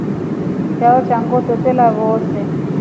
Chao cha ngʼoto twelya vozee.